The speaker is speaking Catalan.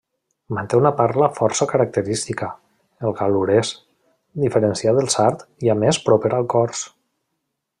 Manté una parla força característica, el gal·lurès, diferenciat del sard i més proper al cors.